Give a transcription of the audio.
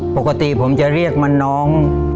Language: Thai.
ปกติผมจะเรียกมันน้อง